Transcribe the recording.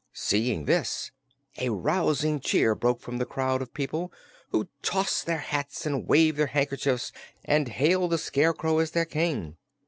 Seeing this, a rousing cheer broke from the crowd of people, who tossed their hats and waved their handkerchiefs and hailed the Scarecrow as their King.